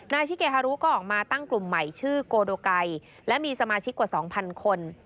ชิเกฮารุก็ออกมาตั้งกลุ่มใหม่ชื่อโกโดไกและมีสมาชิกกว่า๒๐๐คน